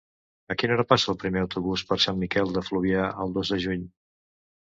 A quina hora passa el primer autobús per Sant Miquel de Fluvià el dos de juny?